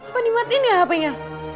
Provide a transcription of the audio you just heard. apa di matiin ya hpnya